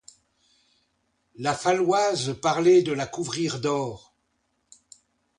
La Faloise parlait de la couvrir d'or.